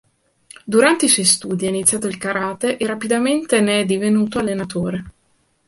Durante i suoi studi ha iniziato il karate e rapidamente ne è divenuto allenatore.